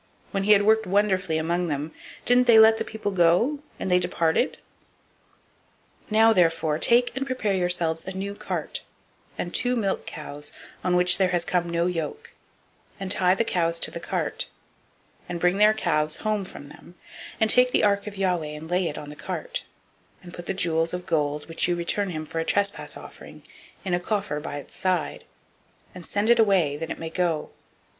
When he had worked wonderfully among them, didn't they let the people go, and they departed? 006:007 Now therefore take and prepare yourselves a new cart, and two milk cows, on which there has come no yoke; and tie the cows to the cart, and bring their calves home from them; 006:008 and take the ark of Yahweh, and lay it on the cart; and put the jewels of gold, which you return him for a trespass offering, in a coffer by the side of it; and send it away, that it may go.